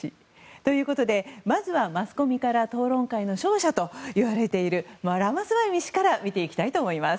ということでまずはマスコミから討論会の勝者といわれているラマスワミ氏から見ていきたいと思います。